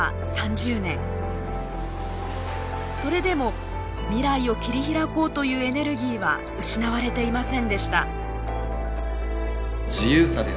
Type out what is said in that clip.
それでも未来を切り開こうというエネルギーは失われていませんでした。